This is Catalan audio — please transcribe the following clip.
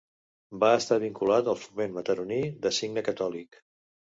Va estar vinculat al Foment Mataroní, de signe catòlic.